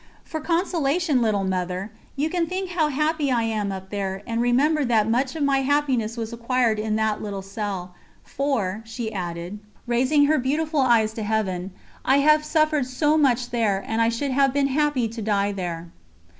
"For consolation, little Mother, you can think how happy I am up there, and remember that much of my happiness was acquired in that little cell; for," she added, raising her beautiful eyes to Heaven, "I have suffered so much there, and I should have been happy to die there."